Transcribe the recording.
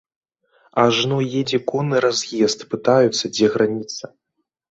Ажно едзе конны раз'езд, пытаюцца, дзе граніца.